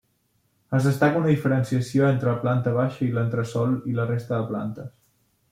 Es destaca una diferenciació entre la planta baixa i l'entresòl i la resta de plantes.